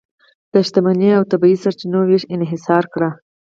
د شتمنۍ او طبیعي سرچینو وېش انحصار کړي.